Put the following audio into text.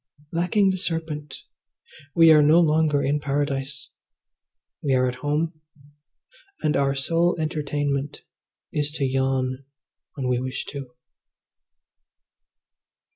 Lacking the serpent we are no longer in Paradise, we are at home, and our sole entertainment is to yawn when we wish to.